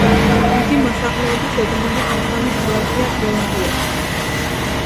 იგი მოსახლეობის ოდენობით მესამე ქალაქია გრენლანდიაში.